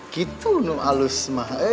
gitu alus mah